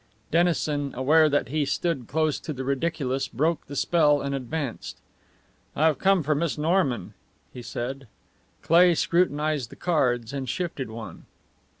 Dennison, aware that he stood close to the ridiculous, broke the spell and advanced. "I have come for Miss Norman," he said. Cleigh scrutinized the cards and shifted one.